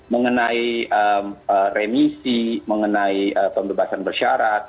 mengenai remisi mengenai pembebasan bersyarat